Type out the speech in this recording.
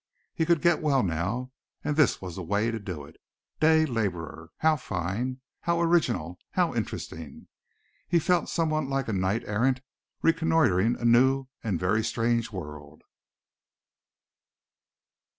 He could get well now and this was the way to do it. Day laborer! How fine, how original, how interesting. He felt somewhat like a knight errant reconnoitring a new and very strange world.